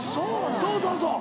そうそうそう。